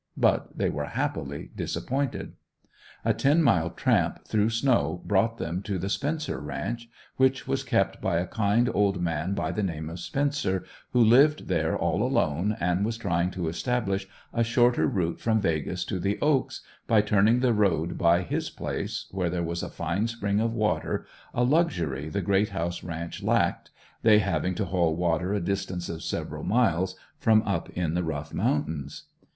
But they were happily disappointed. A ten mile tramp through snow brought them to the Spencer ranch, which was kept by a kind old man by the name of Spencer, who lived there all alone, and was trying to establish a shorter route from "Vegas" to the "Oaks" by turning the road by his place, where there was a fine spring of water, a luxury the Greathouse ranch lacked, they having to haul water a distance of several miles from up in the rough mountains.